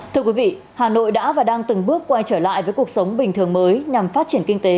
thưa quý vị hà nội đã và đang từng bước quay trở lại với cuộc sống bình thường mới nhằm phát triển kinh tế